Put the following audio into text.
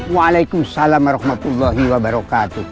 waalaikumsalam warahmatullahi wabarakatuh